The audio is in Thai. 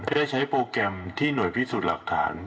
ได้ใช้โปรแกรมที่หน่วยพิสูจน์หลักฐาน